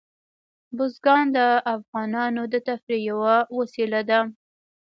بزګان د افغانانو د تفریح یوه وسیله ده.